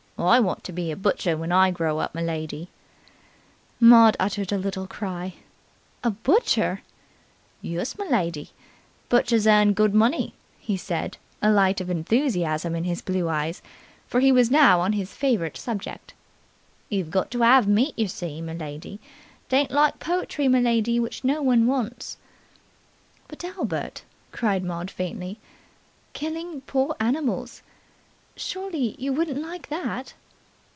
"I want to be a butcher when I grow up, m'lady." Maud uttered a little cry. "A butcher?" "Yus, m'lady. Butchers earn good money," he said, a light of enthusiasm in his blue eyes, for he was now on his favourite subject. "You've got to 'ave meat, yer see, m'lady. It ain't like poetry, m'lady, which no one wants." "But, Albert," cried Maud faintly. "Killing poor animals. Surely you wouldn't like that?"